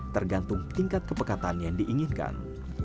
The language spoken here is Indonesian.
tergantung tingkat kepekatan yang diinginkan